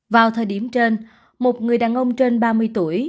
vào thời điểm trên một người đàn ông trên ba mươi tuổi